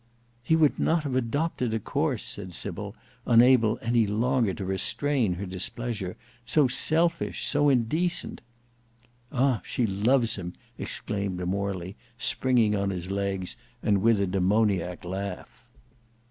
"He would not have adopted a course," said Sybil, unable any longer to restrain her displeasure, "so selfish, so indecent." "Ah! she loves him!" exclaimed Morley, springing on his legs, and with a demoniac laugh.